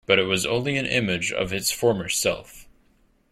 But it was only an image of its former self.